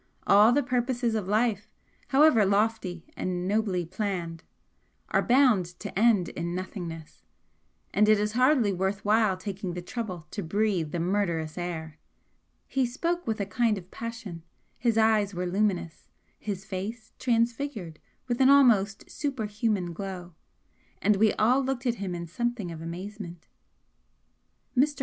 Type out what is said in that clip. All the purposes of life, however lofty and nobly planned, are bound to end in nothingness, and it is hardly worth while taking the trouble to breathe the murderous air!" He spoke with a kind of passion his eyes were luminous his face transfigured with an almost superhuman glow, and we all looked at him in something of amazement. Mr.